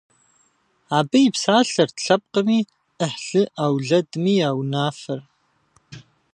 Абы и псалъэрт лъэпкъми, ӏыхьлы-ӏэулэдми я унафэр.